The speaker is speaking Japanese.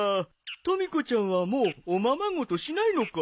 とみ子ちゃんはもうおままごとしないのか。